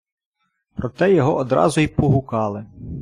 Проте його одразу й погукали.